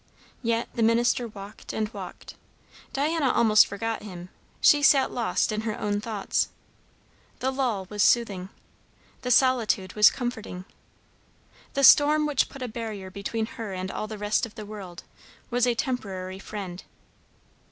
Yet the minister walked and walked. Diana almost forgot him; she sat lost in her own thoughts. The lull was soothing. The solitude was comforting. The storm which put a barrier between her and all the rest of the world, was a temporary friend.